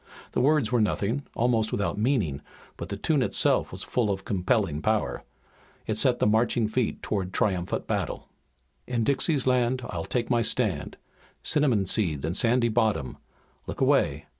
The words were nothing, almost without meaning, but the tune itself was full of compelling power. It set the feet marching toward triumphant battle. "In Dixie's land I'll take my stand, Cinnamon seed and sandy bottom, Look away!